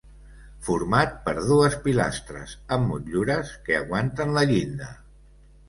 Format per dues pilastres amb motllures que aguanten la llinda.